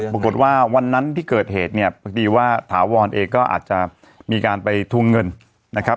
วันนั้นที่เกิดเหตุเนี่ยพอดีว่าถาวรเองก็อาจจะมีการไปทวงเงินนะครับ